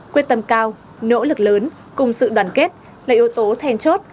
quyết tâm cao nỗ lực lớn cùng sự đoàn kết là yếu tố then chốt